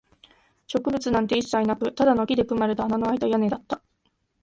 植物なんて一切なく、ただの木で組まれた穴のあいた屋根だった